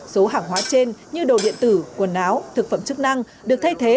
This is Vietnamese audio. số hàng hóa trên như đồ điện tử quần áo thực phẩm chức năng được thay thế